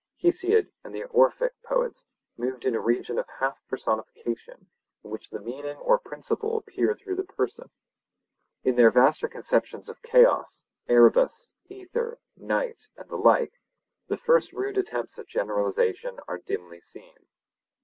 Hesiod and the Orphic poets moved in a region of half personification in which the meaning or principle appeared through the person. In their vaster conceptions of Chaos, Erebus, Aether, Night, and the like, the first rude attempts at generalization are dimly seen.